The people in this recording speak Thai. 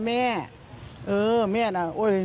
มีมนุษยสัมพันธ์ที่ดีกับประชาชนทุกคน